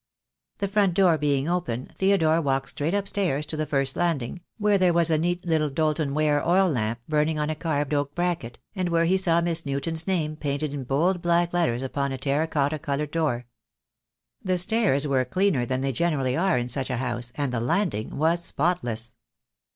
The front door being open, Theodore walked straight upstairs to the first floor landing, where there was a neat little Doulton ware oil lamp burning on a carved oak bracket, and where he saw Miss Newton's name painted in bold black letters upon a terra cotta coloured door. The stairs were cleaner than they generally are in such a house, and the landing was spotless.